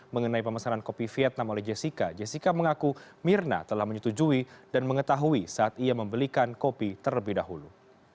mengenai pemesanan kopi vietnam oleh jessica jessica mengaku mirna telah menyetujui dan mengetahui saat ia membelikan kopi terlebih dahulu